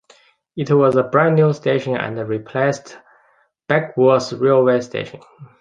It was a brand-new station, and replaced Backworth railway station.